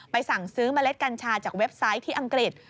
สั่งซื้อเมล็ดกัญชาจากเว็บไซต์ที่อังกฤษ